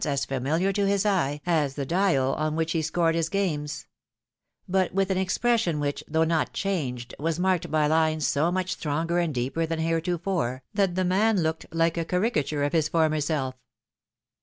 as famil' ar to his eye as the dial on which he scored his games ; but with an expression which, though not changed, was marked by lines so much stronger and deeper than heretofore, that the man looked like a caricature of his former self.